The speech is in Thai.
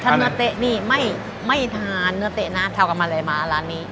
ถ้าเนื้อเต๊ะนี่ไม่ทานเนื้อเต๊ะนะทำกับอะไรมาร้านนี้